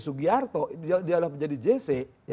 sugiarto dia udah menjadi jc